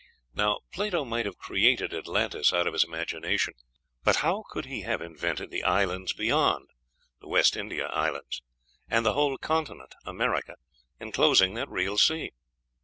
Now, Plato might have created Atlantis out of his imagination; but how could he have invented the islands beyond (the West India Islands), and the whole continent (America) enclosing that real sea?